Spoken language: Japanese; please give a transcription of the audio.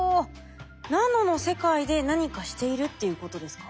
ナノの世界で何かしているっていうことですか？